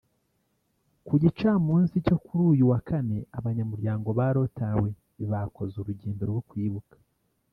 Ku gicamunsi cyo kuri uyu wa Kane abanyamuryango ba Rotary bakoze urugendo rwo kwibuka